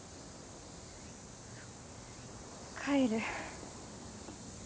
帰る。